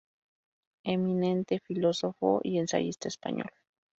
Eminente filósofo y ensayista español.